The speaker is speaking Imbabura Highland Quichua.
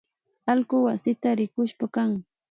Allku wasita rikushpakan